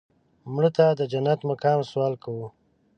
مړه ته د جنت د مقام سوال کوو